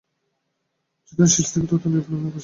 যতদিন সৃষ্টি থাকে, ততদিন এই প্রাণ ও আকাশ থাকে।